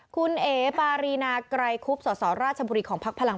คุณเอ๋ปารินากรายคุบสสราชพรีของพลังพาหลัง